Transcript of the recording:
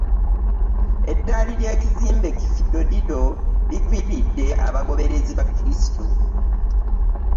Eddaali ly'e kizimbe ki Fido Dido ligwiridde abagoberezi ba kkulisito